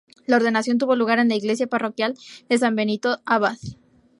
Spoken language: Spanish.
La ordenación tuvo lugar en la iglesia parroquial de San Benito Abad.